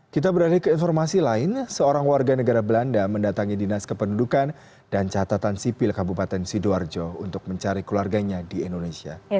kita beralih ke informasi lain seorang warga negara belanda mendatangi dinas kependudukan dan catatan sipil kabupaten sidoarjo untuk mencari keluarganya di indonesia